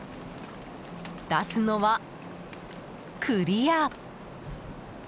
出すのはクリア。